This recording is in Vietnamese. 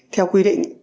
theo quy định